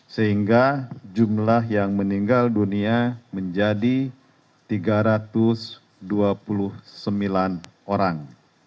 sehingga jumlah yang meninggal dunia menjadi tiga ratus dua puluh sembilan orang